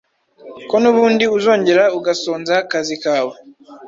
ko n’ubundi uzongera ugasonza kazi kawe